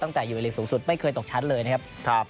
ตั้งแต่อยู่ในลีกสูงสุดไม่เคยตกชั้นเลยนะครับ